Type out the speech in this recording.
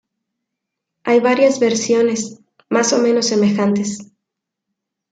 Hay varias versiones, más o menos semejantes.